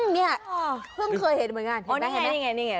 เนี่ยเพิ่งเคยเห็นเหมือนกันเห็นไหมเห็นไหม